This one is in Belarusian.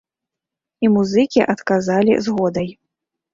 І музыкі адказалі згодай.